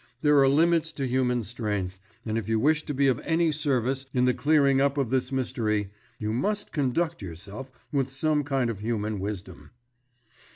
There are limits to human strength, and if you wish to be of any service in the clearing up of this mystery, you must conduct yourself with some kind of human wisdom."